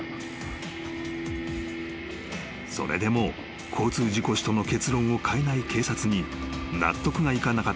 ［それでも交通事故死との結論を変えない警察に納得がいかなかった被害者の母は］